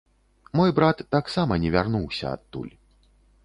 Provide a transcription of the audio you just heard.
Мой брат таксама не вярнуўся адтуль.